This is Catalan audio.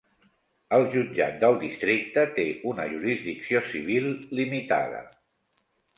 El Jutjat del Districte té una jurisdicció civil limitada.